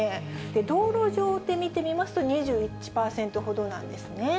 道路上で見てみますと２１％ほどなんですね。